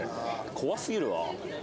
怖すぎるわ。